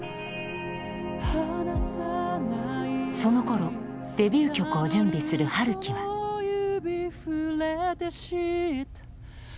そのころデビュー曲を準備する陽樹は「触れて知った」